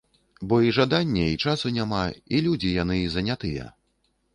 Бо і жадання, і часу няма, і людзі яны занятыя.